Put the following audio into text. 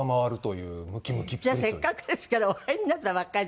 じゃあせっかくですからお入りになったばっかりで